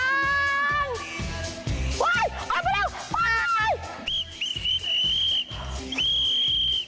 โอ้ยออกไปเร็ว